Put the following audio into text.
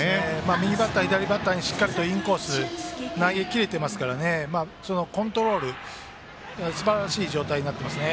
右バッター、左バッターにしっかりインコース投げ切れているのでコントロールすばらしい状態になっています。